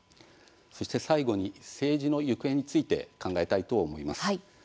そして最後に政治の行方について考えたいと思います。